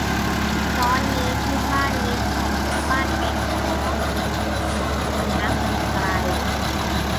ร้อนนี้ที่บ้านมีแผน ยกบ้านไปหาน้องสองคน ณ เมืองไกล